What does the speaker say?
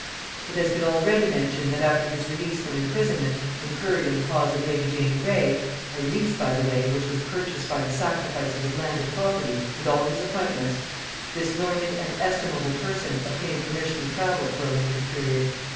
It has been already mentioned, that after his release from imprisonment incurred in the cause of lady Jane Grey, a release, by the way, which was purchased by the sacrifice of his landed property and all his appointments, this learned and estimable person obtained permission to travel for a limited period.